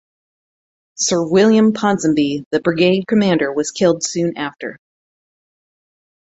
Sir William Ponsonby the brigade commander was killed soon after.